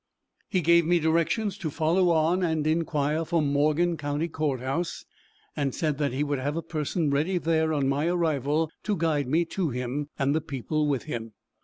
He gave me directions to follow on and inquire for Morgan county Court House, and said that he would have a person ready there on my arrival to guide me to him and the people with him.